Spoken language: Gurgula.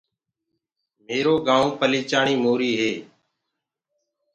ميرو گآئونٚ پليچاڻي موري هي۔